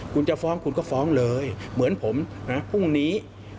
คุณจะฟ้องคุณก็ฟ้องเลยเหมือนผมนะพรุ่งนี้